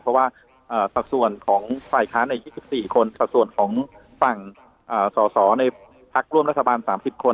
เพราะว่าสัดส่วนของฝ่ายค้านใน๒๔คนสัดส่วนของฝั่งสอสอในพักร่วมรัฐบาล๓๐คน